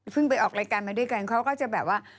ไปออกรายการมาด้วยกันเขาก็จะแบบว่า